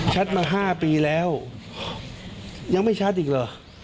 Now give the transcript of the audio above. มา๕ปีแล้วยังไม่ชัดอีกเหรอ